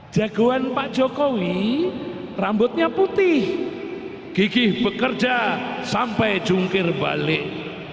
jagoan pak jokowi rambutnya putih gigih bekerja sampai jungkir balik